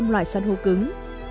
sáu trăm linh loài san hô cứng